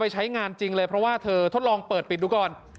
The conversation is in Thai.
ใช้งานจริงเลยเพราะว่าเธอทดลองเปิดปิดดูก่อน